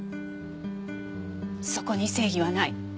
そこに正義はない。